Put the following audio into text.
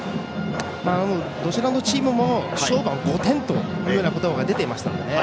どちらもチームも勝負は５点という言葉が出ていましたからね。